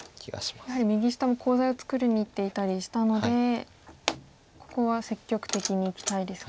やはり右下もコウ材を作りにいっていたりしたのでここは積極的にいきたいですか。